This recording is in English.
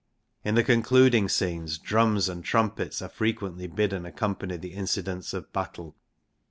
In the concluding scenes drums and trumpets are frequently bidden accompany the incidents of battle.